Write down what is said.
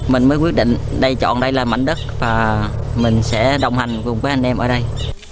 mình mới quyết định đây chọn đây là mảnh đất và mình sẽ đồng hành cùng với anh em ở đây